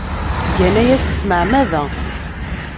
Gan aya s tmeɛmada.